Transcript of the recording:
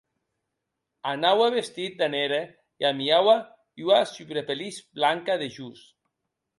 Anaue vestit de nere e amiaue ua subrepelís blanca dejós.